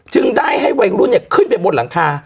จึงได้ให้วัยรุ่นเนี่ยขึ้นไปบนหลังคา